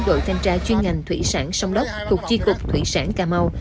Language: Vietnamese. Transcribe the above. đội thanh tra chuyên ngành thủy sản sông đốc thuộc chi cục thủy sản cà mau